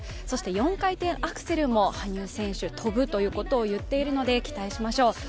そして４回転アクセルも羽生選手、跳ぶと言っているので期待しましょう。